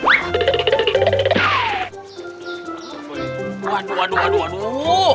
aduh aduh aduh